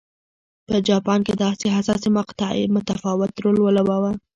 په جاپان کې دغې حساسې مقطعې متفاوت رول ولوباوه.